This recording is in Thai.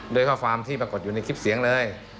ด้วยข้อความที่ปรากฏอยู่ในคลิปเสียงเลย